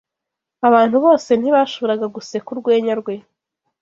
Abantu bose ntibashoboraga guseka urwenya rwe.